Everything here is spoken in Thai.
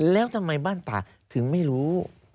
แล้วทำไมบ้านตาถึงไม่รู้